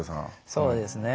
そうですね。